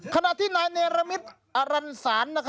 ขณะที่นายเนรมิตรอรันสาร